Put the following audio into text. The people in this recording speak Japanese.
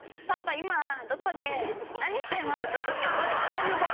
今どこで何してますか？